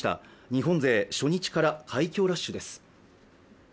日本勢、初日から快挙ラッシュです